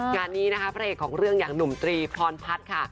งานนี้นะคะพระเอกของเรื่องอย่างหนุ่มตรีพรพัฒน์ค่ะ